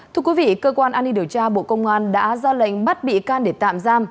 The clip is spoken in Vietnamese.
thưa quý vị cơ quan an ninh điều tra bộ công an đã ra lệnh bắt bị can để tạm giam